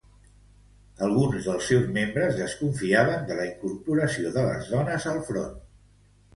Alguns dels seus membres desconfiaven de la incorporació de les dones al front.